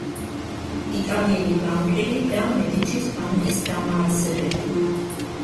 იტალიელი ბანკირი და მედიჩის ბანკის დამაარსებელი.